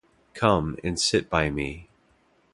Come, and sit by me.